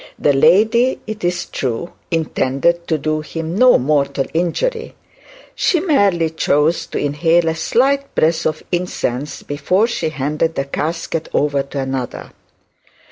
The lady, it is true, intended to do no mortal injury; she merely chose to inhale a slight breath of incense before she handed the casket over to another.